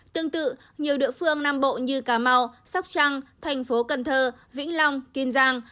tương tự nhiều địa phương nam bộ như cà mau sóc trăng thành phố cần thơ vĩnh long kiên giang